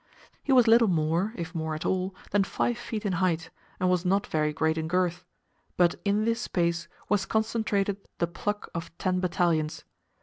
He was little more (if more at all) than five feet in height, and was not very great in girth, but in this space was concentrated the pluck of ten battalions.